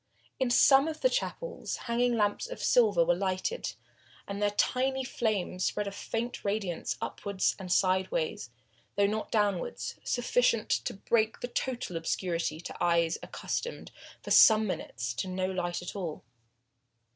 In some of the chapels hanging lamps of silver were lighted, and their tiny flames spread a faint radiance upwards and sideways, though not downwards, sufficient to break the total obscurity to eyes accustomed for some minutes to no light at all.